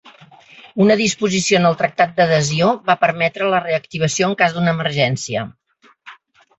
Una disposició en el tractat d'adhesió va permetre la reactivació en cas d'una emergència.